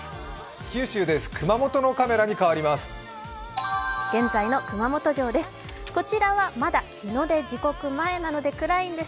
九州です、熊本のカメラに変わります。